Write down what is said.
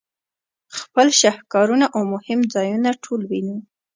خپل شهکارونه او مهم ځایونه ټول وینو.